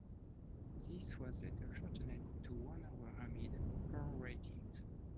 This was later shortened to one hour amid poor ratings.